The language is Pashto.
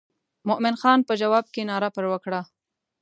مومن خان په جواب کې ناره پر وکړه.